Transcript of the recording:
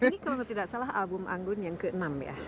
ini kalau tidak salah album anggun yang ke enam ya